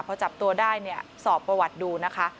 พอจับตัวได้เนี่ยสอบประวัติดูนะคะ